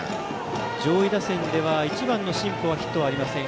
上位打線では１番の新保にヒットはありません。